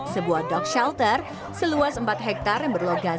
sebuah dog shelter seluas empat hektare yang berlokasi